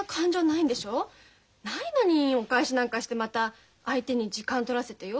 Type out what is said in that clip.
ないのにお返しなんかしてまた相手に時間取らせてよ？